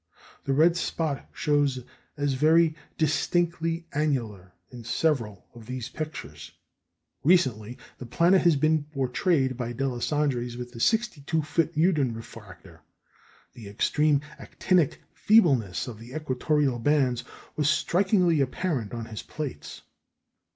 The red spot shows as "very distinctly annular" in several of these pictures. Recently, the planet has been portrayed by Deslandres with the 62 foot Meudon refractor. The extreme actinic feebleness of the equatorial bands was strikingly apparent on his plates.